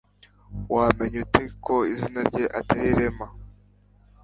Wamenye ute ko izina rye atari Rema